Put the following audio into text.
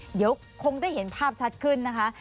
เดี๋ยวคงได้เห็นภาพชัดขึ้นนะคะ